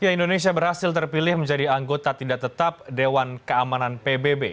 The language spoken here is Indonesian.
indonesia berhasil terpilih menjadi anggota tidak tetap dewan keamanan pbb